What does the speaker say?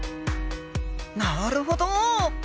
なるほど！